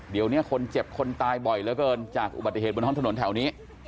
เดี๋ยวนี้คนเจ็บคนตายบ่อยเหลือเกินจากอุบัติเหตุบนท้องถนนแถวนี้